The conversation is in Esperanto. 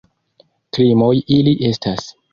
Krimoj ili estas!